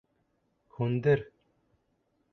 Һүндер!